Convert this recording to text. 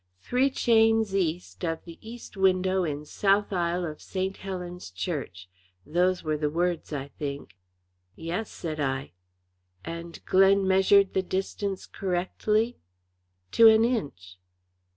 'Three chains east of the east window in south aisle of St. Helen's Church.' Those were the words, I think." "Yes," said I. "And Glen measured the distance correctly?" "To an inch."